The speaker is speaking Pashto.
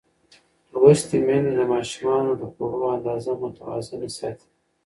لوستې میندې د ماشومانو د خوړو اندازه متوازنه ساتي.